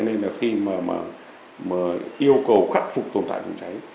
nên là khi mà yêu cầu khắc phục tồn tại phòng cháy